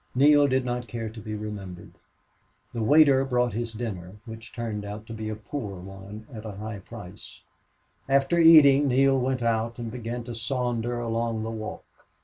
Neale did not care to be remembered. The waiter brought his dinner, which turned out to be a poor one at a high price. After eating, Neale went out and began to saunter along the walk.